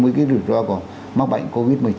với cái rủi ro của mắc bệnh covid một mươi chín